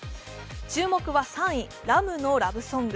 注目は３位、ラムのラブソング。